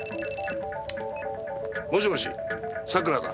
もしもし佐倉だ。